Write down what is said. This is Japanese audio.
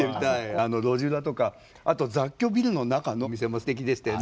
あの路地裏とかあと雑居ビルの中のお店もすてきでしたよね。